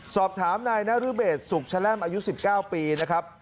สอบถามนายนรเบศสุขแชล่มอายุ๑๙ปีนะครับ